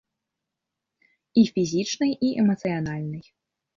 І фізічнай, і эмацыянальнай.